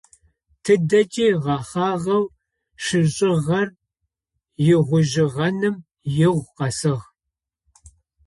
Тыдэкӏи гъэхъагъэу щишӏыгъэр угъоижьыгъэным игъо къэсыгъ.